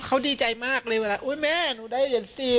เขาดีใจมากเลยเวลาโอ๊ยแม่หนูได้เหรียญ๑๐